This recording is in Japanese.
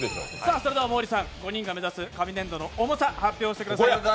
それでは毛利さん、５人が目指す紙粘土の重さを発表してください。